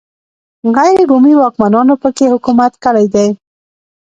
غیر بومي واکمنانو په کې حکومت کړی دی.